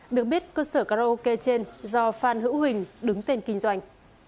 được biết cơ sở karaoke trên do phan hữu huỳnh đứng tên kinh doanh